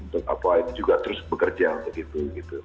untuk apa itu juga terus bekerja untuk itu